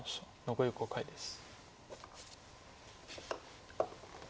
残り５回です。